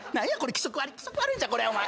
気色悪いんじゃこれお前。